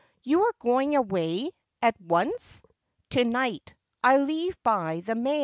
' You are going away — at once ?'' To right. I leave by the mail.'